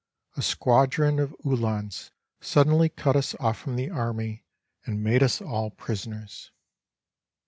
A squadron of Uhlans suddenly cut us off from the army and made us all prisoners.